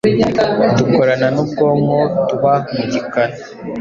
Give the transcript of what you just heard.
dukorana n’ubwonko tuba mu gikanu,